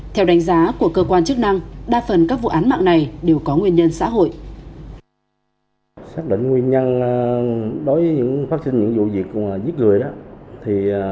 theo đánh giá của cơ quan chức năng đa phần các vụ án mạng này đều có nguyên nhân xã hội